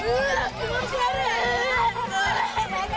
気持ち悪い。